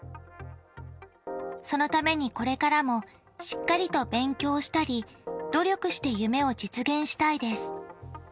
そのためにこれからも、しっかりと勉強したり、努力して夢を実現したいです。